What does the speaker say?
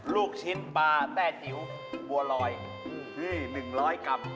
ลูกชิ้นปลาแต้จิ๋วบัวลอย๑๐๐กรัม